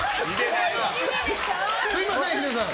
すみません、ヒデさん。